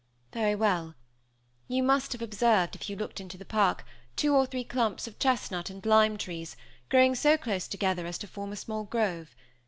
"Very well; you must have observed, if you looked into the park, two or three clumps of chestnut and lime trees, growing so close together as to form a small grove.